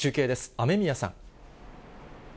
雨宮さん。